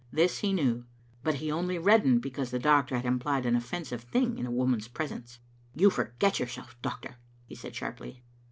This he knew, but he only reddened because the doctor had implied an offensive thing in a woman's presence. " You forget yourself, doctor," he said sharply.